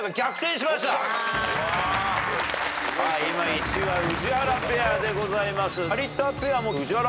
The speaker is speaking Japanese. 今１位は宇治原ペアでございます。